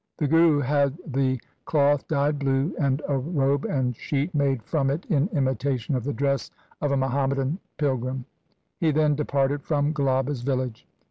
The Guru had the cloth dyed blue, and a robe and sheet made from it in imitation of the dress of a Muhammadan pil grim. He then departed from Gulaba's village.